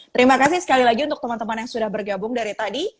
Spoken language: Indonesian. terima kasih sekali lagi untuk teman teman yang sudah bergabung dari tadi